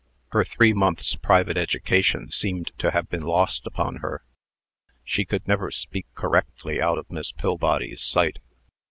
Her three months' private education seemed to have been lost upon her. She could never speak correctly out of Miss Pillbody's sight.